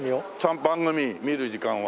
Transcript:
番組見る時間は。